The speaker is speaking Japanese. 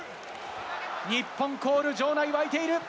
日本コール、場内沸いている。